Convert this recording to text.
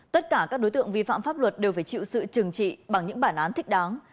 tất cả các đối tượng vi phạm pháp luật đều phải chịu sự trừng trị bằng những bản án thích đáng